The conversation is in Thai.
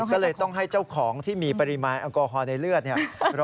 ก็เลยต้องให้เจ้าของที่มีปริมาณแอลกอฮอล์ในเลือดเนี่ย